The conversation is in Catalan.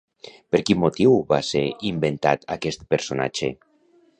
Per quin motiu va ser inventat aquest personatge?